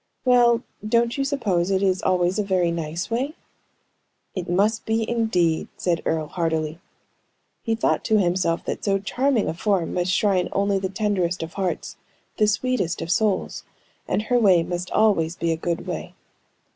"Well. Don't you suppose it is always a very nice way?" "It must be, indeed," said Earle, heartily. He thought to himself that so charming a form must shrine only the tenderest of hearts, the sweetest of souls, and her way must always be a good way.